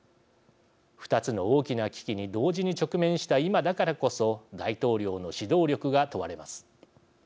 ２つの大きな危機に同時に直面した今だからこそ大統領の指導力が問われます。